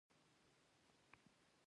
هولمز پوښتنه وکړه چې کومه خاصه خبره شته.